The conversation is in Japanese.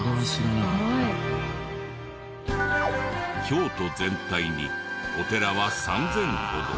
京都全体にお寺は３０００ほど。